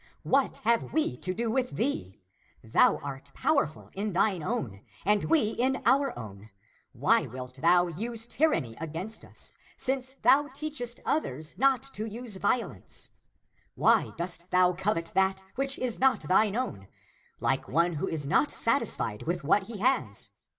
What have we to do with thee? Thou art powerful in thine own, and we in our own. Why wilt thou use tyranny against us, since thou teachest others not to use violence ?^ Why dost thou covet that which is not thine own like one who is not satisfied with what he has?